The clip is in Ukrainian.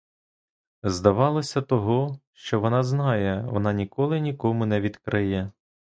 Здавалось, того, що вона знає, вона ніколи нікому не відкриє.